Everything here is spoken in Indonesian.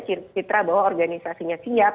citra bahwa organisasinya siap